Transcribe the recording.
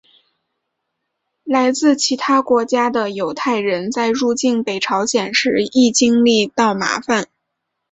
来自其他国家的犹太人在入境北朝鲜时亦经历到麻烦。